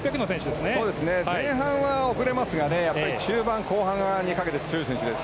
前半は遅れますが中盤、後半にかけて強い選手です。